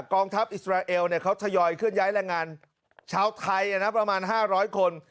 กองทัพอิสราเอลเขาทยอยเคลื่อนย้ายแรงงานชาวไทยประมาณ๕๐๐คน